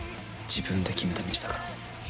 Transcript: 自分で決めた道だから。